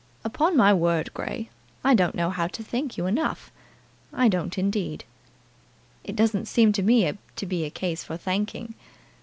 "Upon my word, Grey, I don't know how to thank you enough. I don't, indeed." "It doesn't seem to me to be a case for thanking."